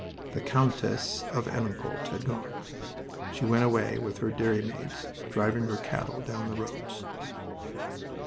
The Countess of Henencourt had gone. She went away with her dairymaids, driving her cattle down the roads.